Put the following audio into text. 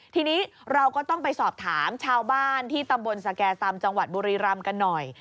ทีนี้เราก็ต้องไปสอบถามชาวบ้านที่ตำบลสแก่ซำจังหวัดบุรีรำกันหน่อย